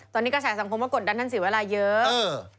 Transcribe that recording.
ตอนนี้กระแสสังคมว่ากดดันท่านศรีวราเยอะ